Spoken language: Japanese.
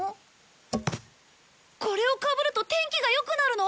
これをかぶると天気がよくなるの？